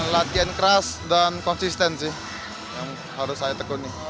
latihan keras dan konsisten sih yang harus saya tekuni